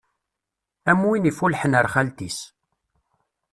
Am win iffullḥen ar xalt-is.